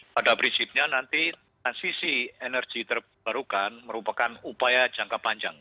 pada prinsipnya nanti transisi energi terbarukan merupakan upaya jangka panjang